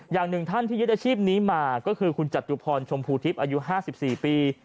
อย่างหนึ่งท่านที่ยึดอาชีพนี้มาก็คือคุณจตุพรชมพูทิพย์อายุ๕๔ปี